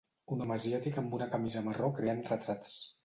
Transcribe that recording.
Un home asiàtic amb una camisa marró creant retrats.